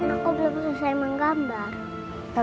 aku belum selesai menggambar